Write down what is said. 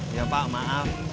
iya pak maaf